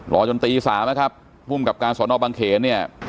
จนตี๓นะครับภูมิกับการสอนอบังเขนเนี่ย